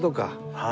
はい。